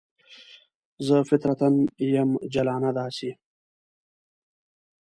زه فطرتاً یم جلانه داسې